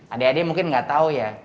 adik adik mungkin nggak tahu ya